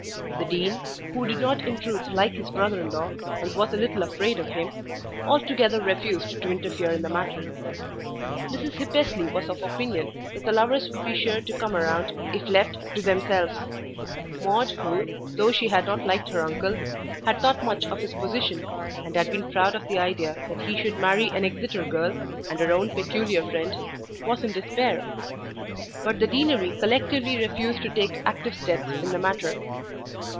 The Dean, who did not in truth like his brother in law and was a little afraid of him, altogether refused to interfere in the matter. Mrs. Hippesley was of opinion that the lovers would be sure to "come round" if left to themselves. Maude who, though she had not liked her uncle, had thought much of his position, and had been proud of the idea that he should marry an Exeter girl and her own peculiar friend, was in despair. But the Deanery collectively refused to take active steps in the matter.